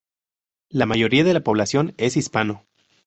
La mayoría de la población es hispano.